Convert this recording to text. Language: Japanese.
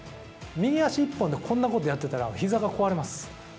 右足一本でこんなことやってたら膝が壊れます。